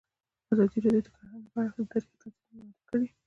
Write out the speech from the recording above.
ازادي راډیو د کرهنه په اړه تاریخي تمثیلونه وړاندې کړي.